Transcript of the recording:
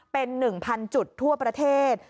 เป็น๑๐๐๐จุดทั่วประเทศ